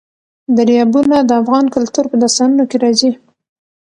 دریابونه د افغان کلتور په داستانونو کې راځي.